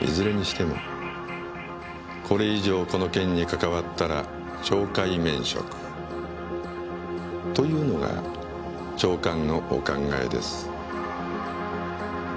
いずれにしてもこれ以上この件に関わったら懲戒免職。というのが長官のお考えです。